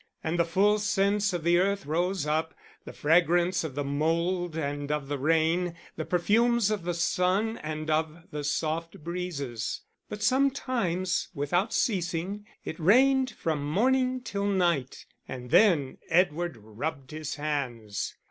And the full scents of the earth rose up, the fragrance of the mould and of the rain, the perfumes of the sun and of the soft breezes. But sometimes, without ceasing, it rained from morning till night, and then Edward rubbed his hands.